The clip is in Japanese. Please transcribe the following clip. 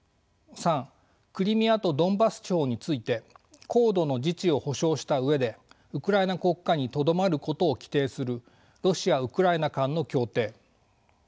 ３クリミアとドンバス地方について高度の自治を保障した上でウクライナ国家にとどまることを規定するロシア・ウクライナ間の協定